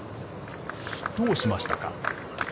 どうしましたか。